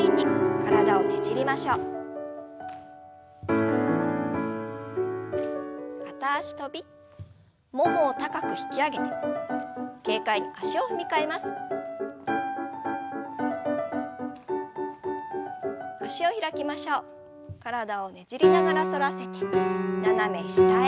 体をねじりながら反らせて斜め下へ。